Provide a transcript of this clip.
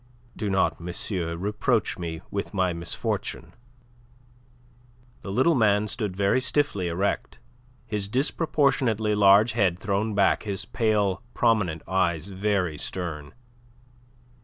"Do not, monsieur, reproach me with my misfortune." The little man stood very stiffly erect, his disproportionately large head thrown back, his pale prominent eyes very stern.